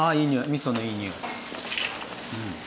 みそのいい匂い。